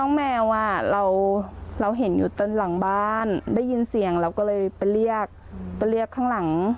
แมวเราเห็นอยู่ตอนหลังบ้านได้ยินเสียงเราก็เลยไปเรียกไปเรียกข้างหลัง